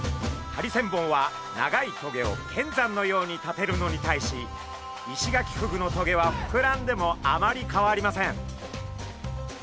ハリセンボンは長い棘を剣山のように立てるのに対しイシガキフグの棘は膨らんでもあまり変わりません。